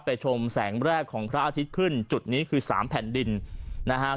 ชมแสงแรกของพระอาทิตย์ขึ้นจุดนี้คือสามแผ่นดินนะฮะ